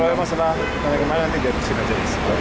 kalau memang setelah pertandingan kemarin nanti dia bersin aja